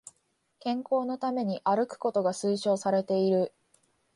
健康のために歩くことが推奨されている